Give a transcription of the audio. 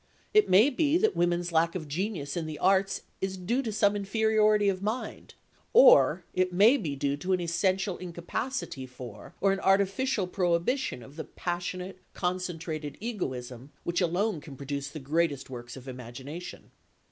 It may be that women's lack of genius in the arts is due to some inferiority of mind, or it may be due to an essential incapacity for or an artificial prohibition of the passionate, concentrated egoism, which alone can produce the greatest works of imagination.